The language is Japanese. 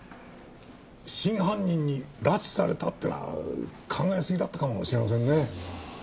真犯人に拉致されたっていうのは考えすぎだったかもしれませんね。